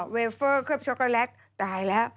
เวเฟอร์เคิบช็อกโกแลตตายแล้ว